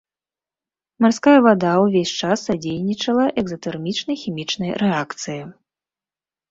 Марская вада ўвесь час садзейнічала экзатэрмічнай хімічнай рэакцыі.